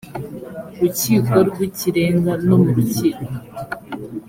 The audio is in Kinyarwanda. rukiko rw ikirenga no mu rukiko